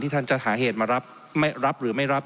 ที่ท่านจะหาเหตุมารับหรือไม่รับ